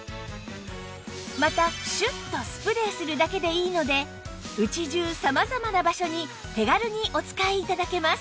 またシュッとスプレーするだけでいいので家中様々な場所に手軽にお使い頂けます